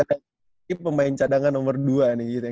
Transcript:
ini pemain cadangan nomor dua nih